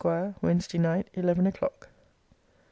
WEDNESDAY NIGHT, ELEVEN O'CLOCK.